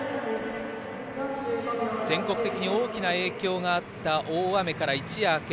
全国的に大きな影響があった大雨から一夜明け